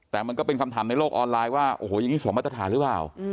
แต่มันก็เป็นคำถามในโลกออนไลน์ว่าโอ้โหอย่างนี้ส่งมาตรฐานหรือเปล่า